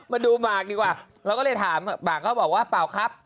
มาดูหมากดีกว่าเราก็เลยถามหมากก็บอกว่าเปล่าครับ